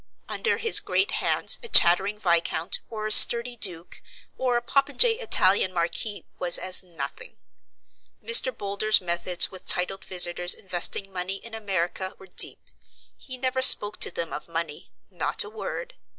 Under his great hands a chattering viscount, or a sturdy duke, or a popinjay Italian marquis was as nothing. Mr. Boulder's methods with titled visitors investing money in America were deep. He never spoke to them of money, not a word.